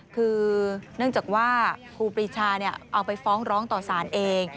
คือเนื่องจากว่าครูปรีชาเอาไปฟ้องร้องต่อสารเอง